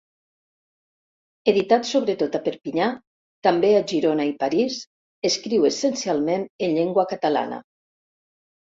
Editat sobretot a Perpinyà, també a Girona i París, escriu essencialment en llengua catalana.